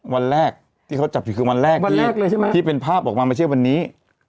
วันแรกที่เขาจับผิดคือวันแรกที่เป็นภาพออกมาไม่ใช่วันนี้